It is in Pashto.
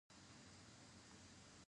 دغسې خلق هم کيدی شي